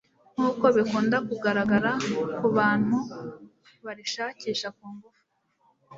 nk'uko bikundakugaragara ku bantu barishakisha ku ngufu